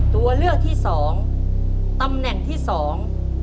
ตัวเลือกที่สองตำแหน่งที่สอง